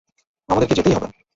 আমাদেরকে যেতেই হবে।